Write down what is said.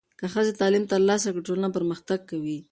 که ښځې تعلیم ترلاسه کړي، ټولنه پرمختګ کوي.